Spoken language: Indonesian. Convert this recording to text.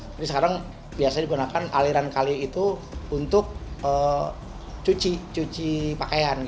jadi sekarang biasanya digunakan aliran kali itu untuk cuci pakaian